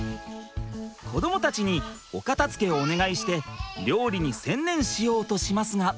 子どもたちにお片づけをお願いして料理に専念しようとしますが。